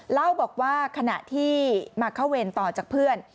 เล่าบอกว่าขณะที่มาเข้าเวรต่อจากเพื่อน